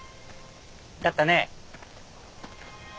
だったね？